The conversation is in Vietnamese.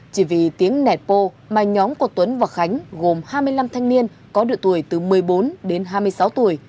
chỉ vì tiếng nẹt bô mà nhóm của tuấn và khánh gồm hai mươi năm thanh niên có độ tuổi từ một mươi bốn đến hai mươi sáu tuổi